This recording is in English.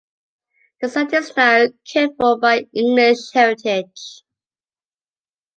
The site is now cared for by English Heritage.